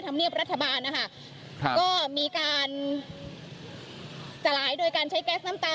ธรรมเนียบรัชบาลน่ะค่ะค่ะก็มีการทระหลายโดยกันใช้แก๊ซน้ำตา